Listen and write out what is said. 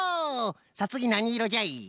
さあつぎなにいろじゃい？